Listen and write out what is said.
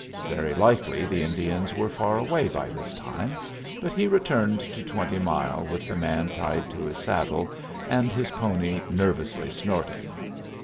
Very likely the Indians were far away by this time, but he returned to Twenty Mile with the man tied to his saddle, and his pony nervously snorting.